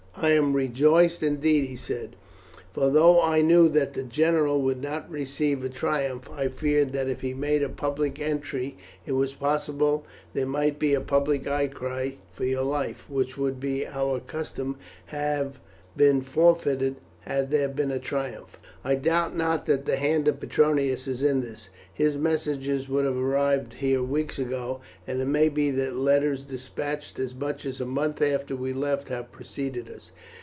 "I am rejoiced, indeed," he said, "for although I knew that the general would not receive a triumph, I feared that if he made a public entry it was possible there might be a public outcry for your life, which would, by our custom, have been forfeited had there been a triumph. I doubt not that the hand of Petronius is in this; his messengers would have arrived here weeks ago, and it may be that letters despatched as much as a month after we left have preceded us.